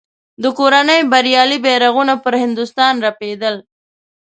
د کورنۍ بریالي بیرغونه پر هندوستان رپېدل.